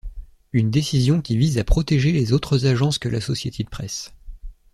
Une décision qui vise à protéger les autres agences que l'Associated Press.